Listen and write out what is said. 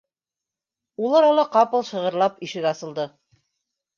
Ул арала ҡапыл шығырлап ишек асылды.